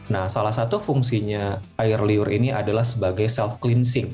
nah salah satu fungsinya air liur ini adalah sebagai self cleansing